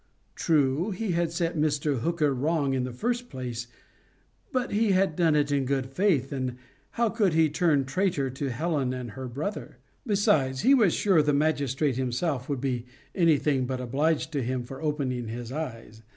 True, he had set Mr. Hooker wrong in the first place, but he had done it in good faith, and how could he turn traitor to Helen and her brother? Besides, he was sure the magistrate himself would be anything but obliged to him for opening his eyes!